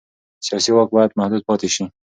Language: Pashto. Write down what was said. سیاسي واک باید محدود پاتې شي